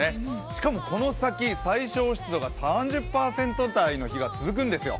しかも、この先、最小湿度が３０％台の日が続くんですよ。